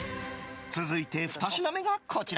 続いて２品目がこちら。